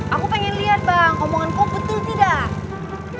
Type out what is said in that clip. aku pengen lihat bang omongan kau betul tidak